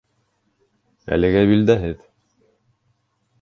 Әлегә билдәһеҙ.